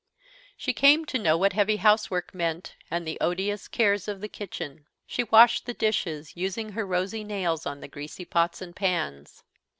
She came to know what heavy housework meant and the odious cares of the kitchen. She washed the dishes, using her rosy nails on the greasy pots and pans.